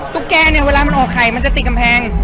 ถ้ามันโอเคมันจะติดกำแพง